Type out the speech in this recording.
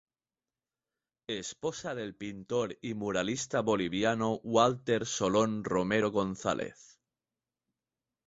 Esposa del pintor y muralista boliviano Walter Solón Romero Gonzales.